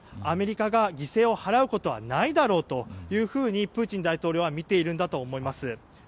アメリカが犠牲を払うことはないだろうというふうにプーチン大統領はみているんだと思います。